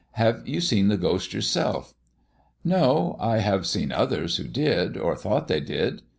Have you seen the ghost yourself?" "No, but I have seen others who did, or thought they did.